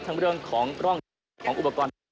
ทั้งเรื่องของร่องนี้ของอุปกรณ์